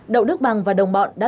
đậu đức bằng và đồng bọn đã